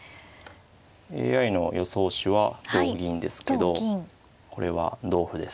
ＡＩの予想手は同銀ですけどこれは同歩です。